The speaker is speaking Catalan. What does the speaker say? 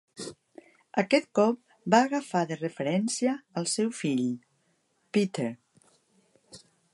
Aquest cop va agafar de referència al seu fill, Peter.